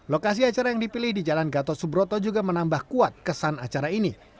lokasi acara yang dipilih di jalan gatot subroto juga menambah kuat kesan acara ini